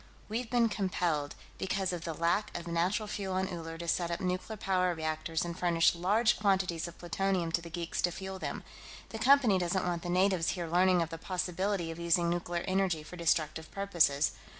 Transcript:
We've been compelled, because of the lack of natural fuel on Uller, to set up nuclear power reactors and furnish large quantities of plutonium to the geeks to fuel them. The Company doesn't want the natives here learning of the possibility of using nuclear energy for destructive purposes.